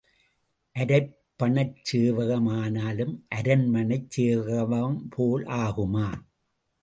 அரைப்பணச் சேவகம் ஆனாலும் அரண்மனைச் சேவகம் போல் ஆகுமா?